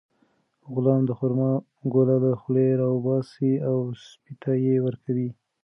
غلام د خورما ګوله له خولې راوباسي او سپي ته یې ورکوي.